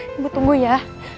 ibu tunggu ya